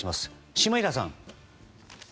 下平さん。